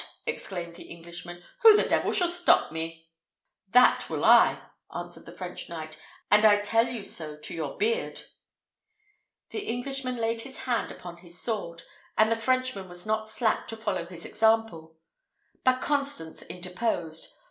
exclaimed the Englishman. "Who the devil shall stop me?" "That will I," answered the French knight; "and I tell you so to your beard." The Englishman laid his hand upon his sword, and the Frenchman was not slack to follow his example; but Constance interposed.